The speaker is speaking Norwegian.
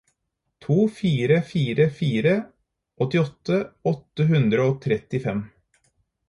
to fire fire fire åttiåtte åtte hundre og trettifem